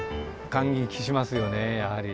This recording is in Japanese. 感激しますよねやはり。